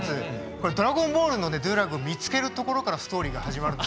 これ「ドラゴンボール」のデューラグを見つけるところからストーリーが始まる。